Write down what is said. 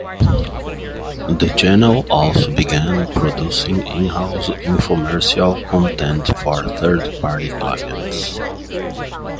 The channel also began producing in-house infomercial content for third party clients.